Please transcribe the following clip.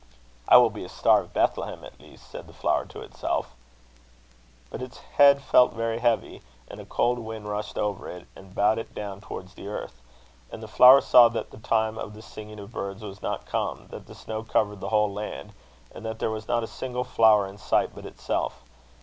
"'I will be a star of Bethlehem at least!' said the flower to itself. "But its head felt very heavy; and a cold wind rushed over it, and bowed it down towards the earth. And the flower saw that the time of the singing of birds was not come, that the snow covered the whole land, and that there was not a single flower in sight but itself.